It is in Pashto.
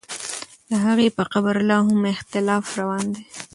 د هغې په قبر لا هم اختلاف روان دی.